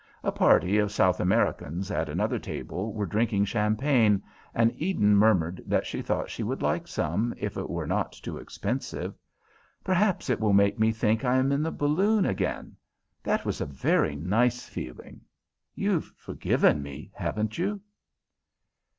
A party of South Americans at another table were drinking champagne, and Eden murmured that she thought she would like some, if it were not too expensive. "Perhaps it will make me think I am in the balloon again. That was a very nice feeling. You've forgiven me, haven't you?"